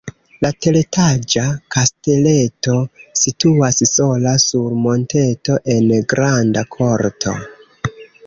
La teretaĝa kasteleto situas sola sur monteto en granda korto.